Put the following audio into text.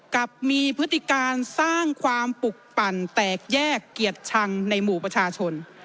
กับมีพฤติการสร้างความปลุกปั่นแตกแยกเกียรติชังในหมู่ประชาชน